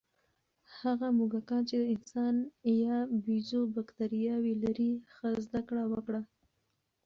هغه موږکان چې د انسان یا بیزو بکتریاوې لري، ښه زده کړه وکړه.